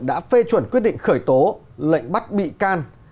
đã phê chuẩn quyết định khởi tố lệnh bắt bị can